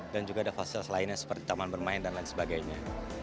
dan juga ada fasilitas lainnya seperti taman bermain dan lain sebagainya